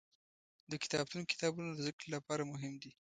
د کتابتون کتابونه د زده کړې لپاره مهم دي.